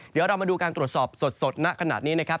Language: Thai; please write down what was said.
เดี๋ยวเรามาดูการตรวจสอบสดณขณะนี้นะครับ